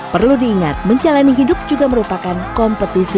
perlu diingat menjalani hidup juga merupakan kompetisi